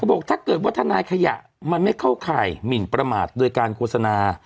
บอกถ้าเกิดว่าทนายขยะมันไม่เข้าข่ายหมินประมาทโดยการโฆษณา